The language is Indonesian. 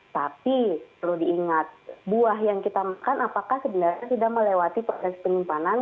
tapi perlu diingat buah yang kita makan apakah sebenarnya sudah melewati proses penyimpanan